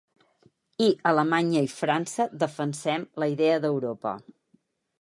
I Alemanya i França defensem la idea d’Europa.